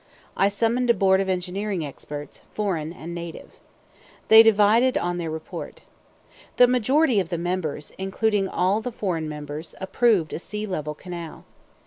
I summoned a board of engineering experts, foreign and native. They divided on their report. The majority of the members, including all the foreign members, approved a sea level canal.